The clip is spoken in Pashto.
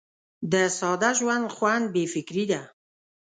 د ساده ژوند خوند بې فکري ده.